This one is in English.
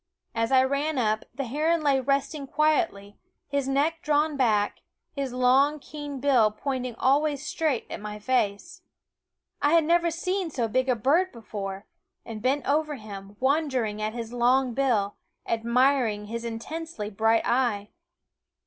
As I ran up, the heron lay resting quietly, his neck drawn back, his long keen bill pointing always straight at my face. I had never seen so big a bird before, and bent over him, wondering at his long bill, admiring his intensely bright eye.